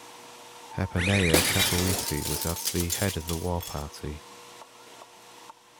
Hepanaia Kapewhiti was at the head of the war-party.